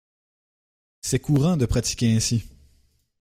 C’est courant de pratiquer ainsi.